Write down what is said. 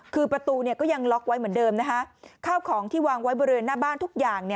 คือประตูก็ยังล็อกไว้เหมือนเดิมนะคะข้าวของที่วางไว้บริเวณหน้าบ้านทุกอย่าง